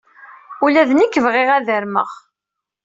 Ula d nekk bɣiɣ ad armeɣ.